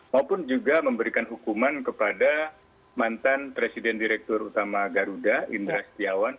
maupun juga memberikan hukuman kepada mantan presiden direktur utama garuda indra setiawan